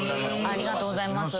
ありがとうございます。